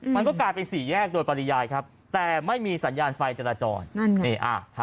มันก็กลายเป็นสี่แยกโดยปริญญาณครับแต่ไม่มีสัญญาณไฟจรรย์